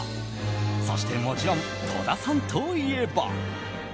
そしてもちろん、戸田さんといえば。